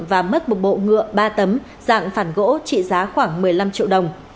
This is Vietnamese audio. và mất một bộ ngựa ba tấm dạng phản gỗ trị giá khoảng một mươi năm triệu đồng